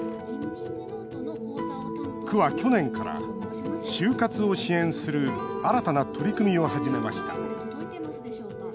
区は、去年から終活を支援する新たな取り組みを始めました